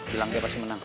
bilang dia pasti menang